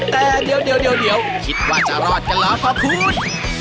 แต่เดี๋ยวคิดว่าจะรอดกันเหรอพอพูด